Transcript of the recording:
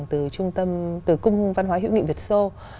từ trung tâm từ cung văn hóa hữu nghị việt sô